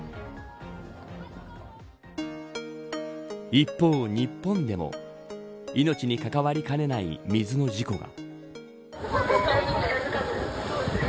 一方、日本でも命に関わりかねない水の事故が。